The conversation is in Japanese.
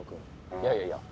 いやいやいや。